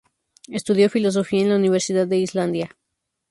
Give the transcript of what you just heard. Estudió filosofía en la Universidad de Islandia.